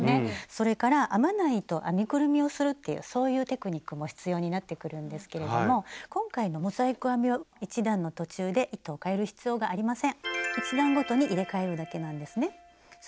それから編まない糸を編みくるみをするっていうそういうテクニックも必要になってくるんですけれども今回のモザイク編みは１段の途中で糸をかえる必要がありません。